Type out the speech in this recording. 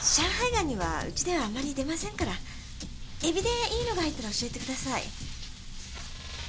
ガニはウチではあまり出ませんからエビでいいのが入ったら教えてください。